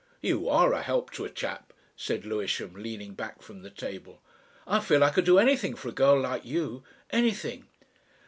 "You are a help to a chap," said Lewisham, leaning back from the table, "I feel I could do anything for a girl like you anything."